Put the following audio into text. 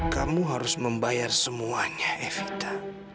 kamu harus membayar semuanya evita